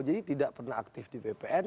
jadi tidak pernah aktif di ppn